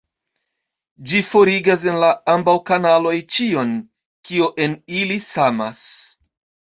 Ĝi forigas el ambaŭ kanaloj ĉion, kio en ili samas.